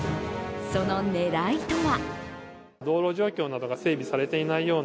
その狙いとは。